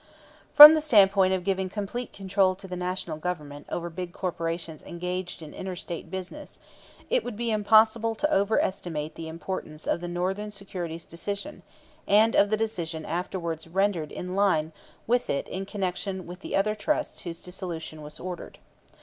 From the standpoint of giving complete control to the National Government over big corporations engaged in inter State business, it would be impossible to over estimate the importance of the Northern Securities decision and of the decisions afterwards rendered in line with it in connection with the other trusts whose dissolution was ordered.